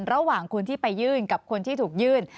ระหว่างคนที่ไปยื่นกับคนที่ถูกยื่น